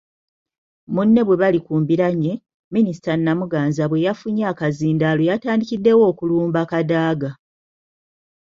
Munne bwe bali ku mbiranye, Minisita Namuganza bwe yafunye akazindaalo yatandikiddewo okulumba Kadaga.